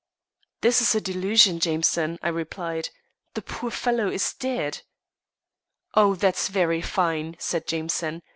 "This is a delusion, Jameson," I replied. "The poor fellow is dead." "Oh, that's very fine," said Jameson.